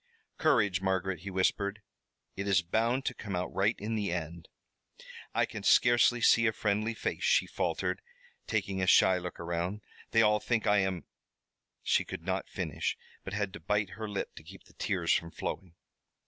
"Courage, Margaret," he whispered. "It is bound to come out right in the end." "I can scarcely see a friendly face," she faltered, taking a shy look around. "They all think I am " She could not finish, but had to bite her lip to keep the tears from flowing.